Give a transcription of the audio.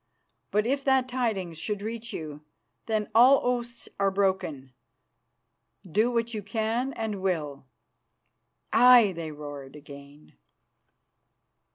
But if that tidings should reach you, then all oaths are broken. Do what you can and will." "Aye!" they roared again.